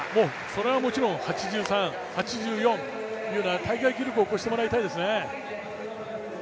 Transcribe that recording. それはもちろん８３、８４という大会記録を越してもらいたいですね。